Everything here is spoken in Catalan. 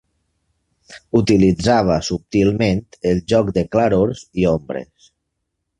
Utilitzava subtilment el joc de clarors i ombres.